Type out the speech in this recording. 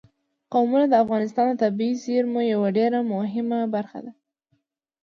قومونه د افغانستان د طبیعي زیرمو یوه ډېره مهمه برخه ده.